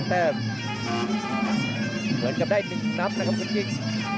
โดยตัดแต้มเหมือนกับได้หนึ่งนับนะครับคุณกิ๊ก